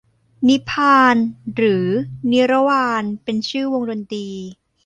นิพพาน หรือนิรวาน เป็นชื่อวงดนตรี